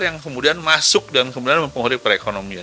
yang kemudian masuk dan kemudian mempengaruhi perekonomian